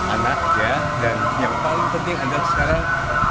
anaknya dan yang paling penting adalah sekarang